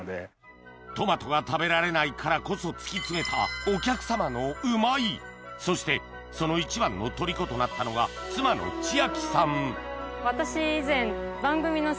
トマトが食べられないからこそ突き詰めたそしてその一番のとりことなったのが妻の千秋さん私以前。